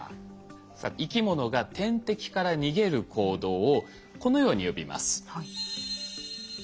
さあ生き物が天敵から逃げる行動をこのように呼びます。